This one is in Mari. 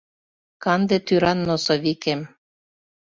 Канде тӱран носовикем